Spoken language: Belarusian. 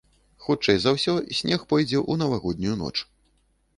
Хутчэй за ўсё, снег пойдзе ў навагоднюю ноч.